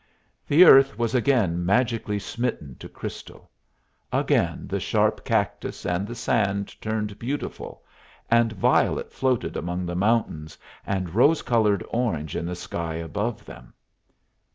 The earth was again magically smitten to crystal. Again the sharp cactus and the sand turned beautiful, and violet floated among the mountains, and rose colored orange in the sky above them.